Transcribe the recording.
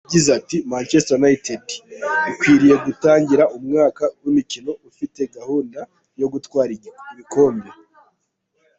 Yagize ati “Manchester United ikwiriye gutangira umwaka w’imikino ifite gahunda yo gutwara ibikombe.